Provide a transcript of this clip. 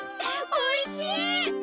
おいしい！